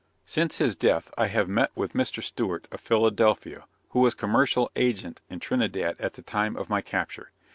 Since his death I have met with Mr. Stewart, of Philadelphia, who was Commercial Agent in Trinidad at the time of my capture.